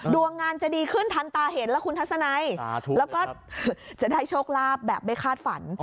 ทวงงานจะดีขึ้นทันตาเห็นนะคุณทัศนัยและจะได้โชคลาภอย่างไม่คาดฝัน